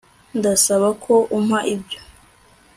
ndasaba ko umpa ibyo